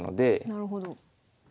なるほど。